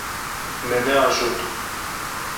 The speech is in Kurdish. Me neajot.